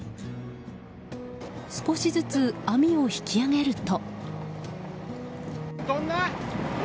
少しずつ網を引き上げると。